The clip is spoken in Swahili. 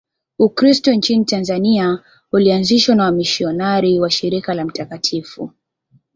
Ukristo nchini Tanzania ulianzishwa na wamisionari wa Shirika la Mt.